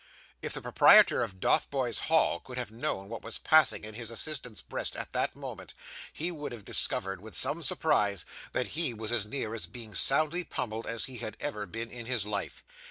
If the proprietor of Dotheboys Hall could have known what was passing in his assistant's breast at that moment, he would have discovered, with some surprise, that he was as near being soundly pummelled as he had ever been in his life.